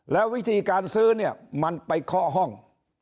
แล้ววิธีการซื้อเนี่ยมันไปเคาะห้อง